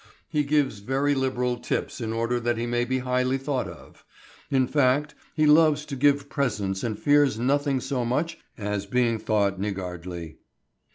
He gives very liberal tips in order that he may be highly thought of. In fact, he loves to give presents and fears nothing so much as being thought niggardly.